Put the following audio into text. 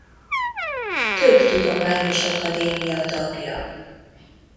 Több tudományos akadémia tagja.